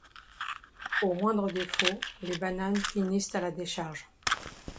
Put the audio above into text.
Au moindre défaut, les bananes finissent à la décharge.